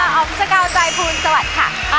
อพิกษ์บรรย์ชะพงฆาค่ะ